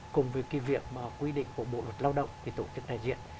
cùng với cái việc mà quy định của bộ luật lao động thì tổ chức này diễn